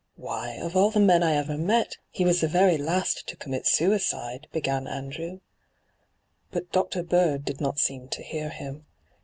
Why, of all the men I ever met, he was the very last to commit suicide,' began Andrew, But Dr. Bird did not seem to hear him.